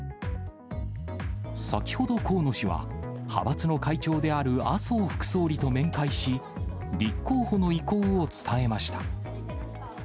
先ほど河野氏は、派閥の会長である麻生副総理と面会し、立候補の意向を伝えました。